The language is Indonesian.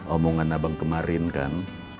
omongan abang kemarin kan